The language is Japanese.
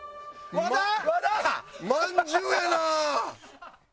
まんじゅうやな！